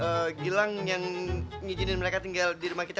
jadi gilang yang ngijinin mereka tinggal di rumah ini dulu ya